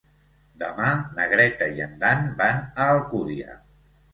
Demà na Greta i en Dan van a Alcúdia.